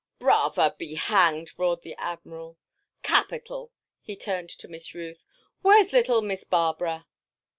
"Brava be hanged!" roared the Admiral. "Capital!" He turned to Miss Ruth. "Where's little Miss Barbara?"